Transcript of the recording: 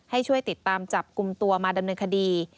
ให้ช่วยติดตามจับกลุ่มตัวมาดำเนินคดี